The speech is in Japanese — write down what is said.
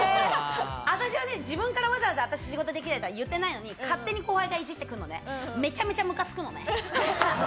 私は自分からわざわざ仕事できないとか言ってないのに、勝手に後輩がいじってくることにめちゃめちゃむかつく。